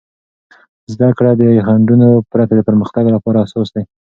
زده کړه د خنډونو پرته د پرمختګ لپاره اساس دی.